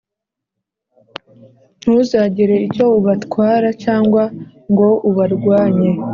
ntuzagire icyo ubatwara cyangwa ngo ubarwanye,